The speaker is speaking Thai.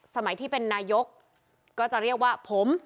สมัยที่เป็นนายกก็จะเรียกว่าผม